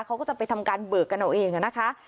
เขาก็จะไปทำการเบิกกันเอาเองนะคะ